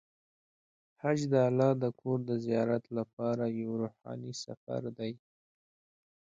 حج د الله د کور د زیارت لپاره یو روحاني سفر دی.